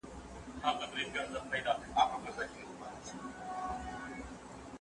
هغوی مشهد د څلورو مياشتو لپاره محاصره کړ.